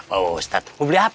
pak ustadz mau beli hp